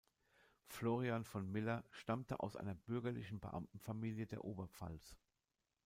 Florian von Miller stammte aus einer bürgerlichen Beamtenfamilie der Oberpfalz.